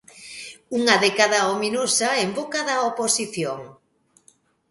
Unha "década ominosa" en boca da oposición.